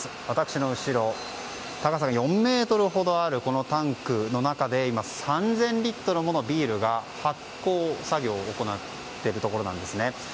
私の後ろ、高さが４ｍほどあるこのタンクの中で今３０００リットルものビールの発酵作業を行っているところなんです。